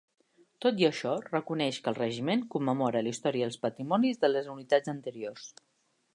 Tot i això, reconeix que el Regiment commemora la història i el patrimoni de les unitats anteriors.